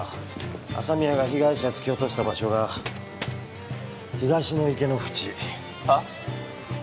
朝宮が被害者突き落とした場所が東の池の縁はっ？